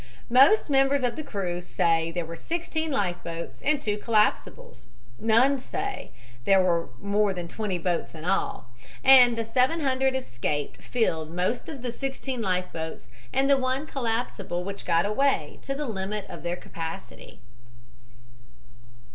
Most members of the crew say there were sixteen life boats and two collapsibles; none say there were more than twenty boats in all. The 700 escaped filled most of the sixteen life boats and the one collapsible which got away, to the limit of their capacity.